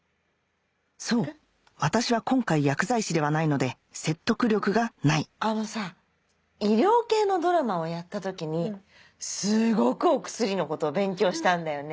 そう私は今回薬剤師ではないので説得力がないあのさ医療系のドラマをやった時にすごくお薬のことを勉強したんだよね。